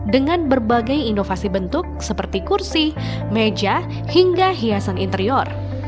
dengan berbagai inovasi bentuk seperti kursi meja hingga hiasan interior